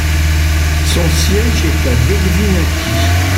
Son siège est à Delvinaki.